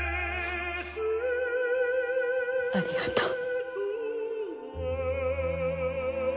ありがとう。